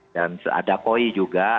dan ada koi juga